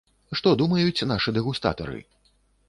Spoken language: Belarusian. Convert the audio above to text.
Што думаюць нашы дэгустатары?